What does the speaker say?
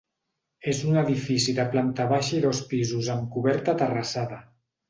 És un edifici de planta baixa i dos pisos amb coberta terrassada.